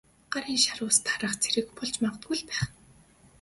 Гарын шар ус тараах хэрэг болж магадгүй л байх.